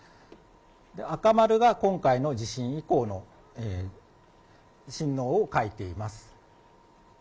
赤丸が今回の地震以降の震度を書いています。